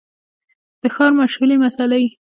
د ښار مشهورې مسلۍ